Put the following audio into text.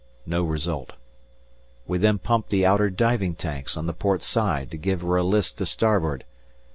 No result. We then pumped the outer diving tanks on the port side to give her a list to starboard.